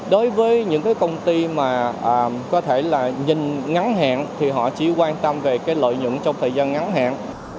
đối với những công ty nhìn ngắn hẹn họ chỉ quan tâm về lợi nhuận trong thời gian ngắn hẹn